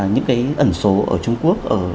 những cái ẩn số ở trung quốc ở